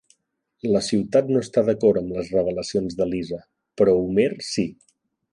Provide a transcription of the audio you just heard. La ciutat no està d'acord amb les revelacions de Lisa, però Homer sí.